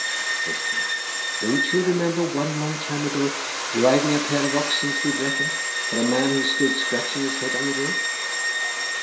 Says Tom, 'Don't you remember one long time ago driving a pair of oxen through Brecon for a man who stood scratching his head on the road?